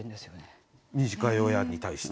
「短夜や」に対して。